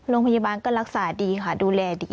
โรงพยาบาลก็รักษาดีค่ะดูแลดี